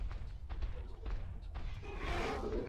Wanajeshi kumi na moja wa Burkina Faso